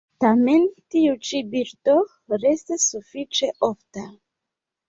Tamen, tiu ĉi birdo restas sufiĉe ofta.